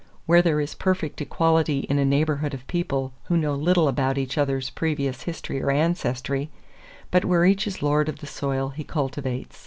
Where there is perfect equality in a neighborhood of people who know little about each other's previous history or ancestry but where each is lord of the soil he cultivates.